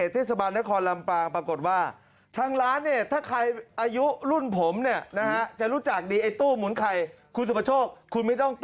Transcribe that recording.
ทำไมเขาเรียกว่ากาจะปอง